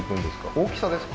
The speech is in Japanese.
大きさですか？